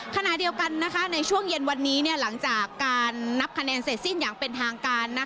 ขณะเดียวกันในช่วงเย็นวันนี้หลังจากการนับคะแนนเสร็จสิ้นอย่างเป็นทางการ